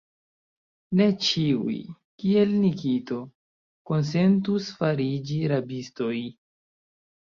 Ne ĉiuj, kiel Nikito, konsentus fariĝi rabistoj!